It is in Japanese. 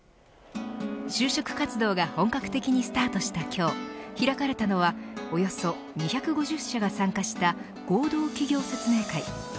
就職活動が本格的にスタートした今日開かれたのはおよそ２５０社が参加した合同企業説明会。